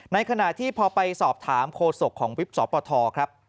ในขณะที่พอไปสอบถามโฆษกของวิบสปทครับ